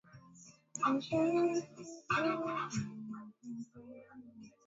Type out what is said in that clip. mashambulizi haya yanatokea wakati mamilioni wa waumini wa kishia